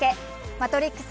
「マトリックス」